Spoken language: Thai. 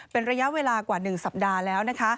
เป็นระยะเวลากว่า๑สัปดาห์แล้วนะคะ